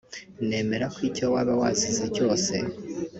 Nemera ko icyo waba wazize cyose